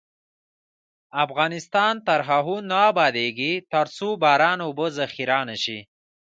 افغانستان تر هغو نه ابادیږي، ترڅو باران اوبه ذخیره نشي.